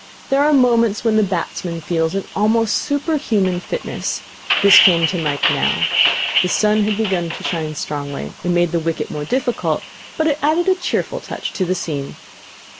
There are moments when the batsman feels an almost super human fitness. This came to Mike now. The sun had begun to shine strongly. It made the wicket more difficult, but it added a cheerful touch to the scene.